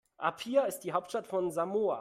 Apia ist die Hauptstadt von Samoa.